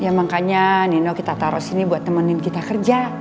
ya makanya nino kita taruh sini buat temenin kita kerja